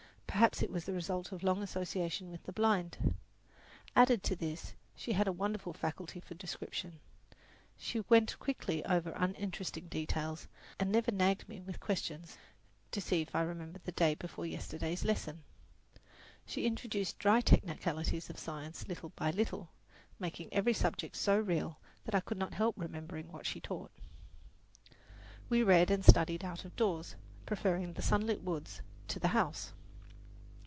Perhaps it was the result of long association with the blind. Added to this she had a wonderful faculty for description. She went quickly over uninteresting details, and never nagged me with questions to see if I remembered the day before yesterday's lesson. She introduced dry technicalities of science little by little, making every subject so real that I could not help remembering what she taught. We read and studied out of doors, preferring the sunlit woods to the house.